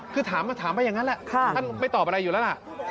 คือถามมาถามไปอย่างนั้นแหละท่านไม่ตอบอะไรอยู่แล้วล่ะ